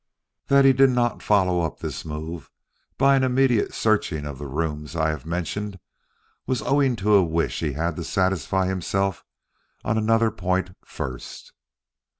That he did not follow up this move by an immediate searching of the rooms I have mentioned was owing to a wish he had to satisfy himself on another point first.